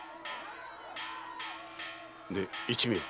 で一味は？